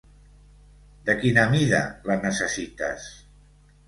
De quina mida la necessites?